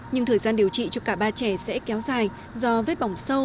nhưng thời gian điều trị cho cả ba trẻ sẽ kéo dài do vết bỏng sâu